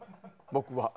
僕は。